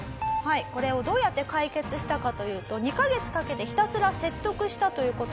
これをどうやって解決したかというと２カ月かけてひたすら説得したという事なんですが。